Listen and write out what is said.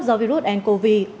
do virus này